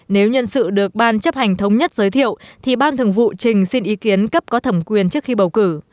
nếu nhân sự được ban chấp hành thống nhất giới thiệu thì ban thường vụ trình xin ý kiến cấp có thẩm quyền trước khi bầu cử